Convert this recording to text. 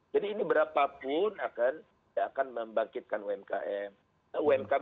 jadi ini berapapun akan membangkitkan umkm